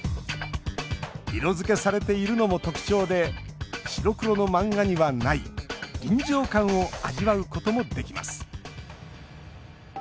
色付けされているのも特徴で白黒の漫画にはない臨場感を味わうこともできます。